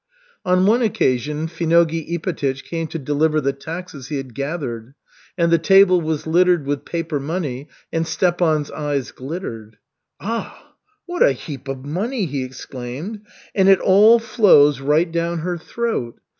On one occasion Finogey Ipatych came to deliver the taxes he had gathered, and the table was littered with paper money, and Stepan's eyes glittered. "Ah, what a heap of money!" he exclaimed. "And it all flows right down her throat.